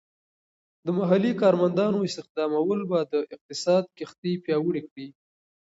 د محلی کارمندانو استخدامول به د اقتصاد کښتۍ پیاوړې کړي.